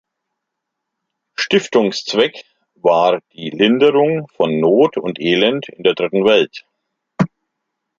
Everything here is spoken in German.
Stiftungszweck war die „Linderung von Not und Elend in der Dritten Welt“.